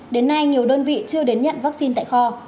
đến nay nhiều đơn vị chưa đến nhận vaccine tại kho